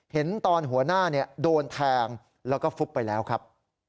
เห็นตอนหัวหน้าโดนแทงแล้วก็ฟุบไปแล้วครับ